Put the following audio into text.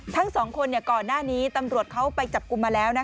ทั้งสองคนก่อนหน้านี้ตำรวจเขาไปจับกลุ่มมาแล้ว